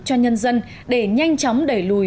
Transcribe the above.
cho nhân dân để nhanh chóng đẩy lùi